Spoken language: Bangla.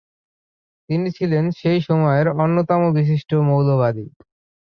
তিনি ছিলেন সেই সময়ের অন্যতম বিশিষ্ট মৌলবাদী।